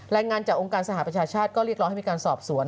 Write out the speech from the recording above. รายงานจากองค์การสหประชาชาติก็เรียกร้องให้มีการสอบสวน